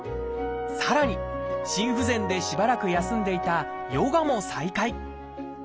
さらに心不全でしばらく休んでいたヨガも再開。